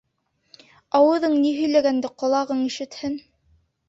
Ауыҙың ни һөйләгәнде ҡолағың ишетһен.